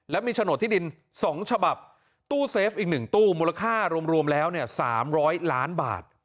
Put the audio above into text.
และมีโฉนดที่ดิน๒ฉบับตู้เซฟอีก๑ตู้มูลค่ารวมแล้ว๓๐๐ล้านบาท